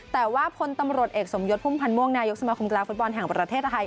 แต่ว่าพลตำรวจเอกสมยศพุ่มพันธ์ม่วงนายกสมาคมกีฬาฟุตบอลแห่งประเทศไทย